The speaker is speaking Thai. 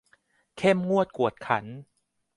เข้มงวดกวดขัน